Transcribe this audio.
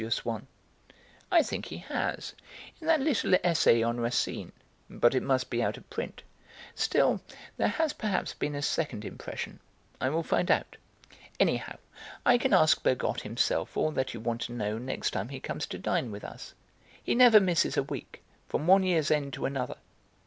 Swann. "I think he has, in that little essay on Racine, but it must be out of print. Still, there has perhaps been a second impression. I will find out. Anyhow, I can ask Bergotte himself all that you want to know next time he comes to dine with us. He never misses a week, from one year's end to another.